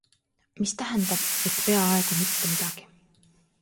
Mis tähendab, et peaaegu mitte midagi.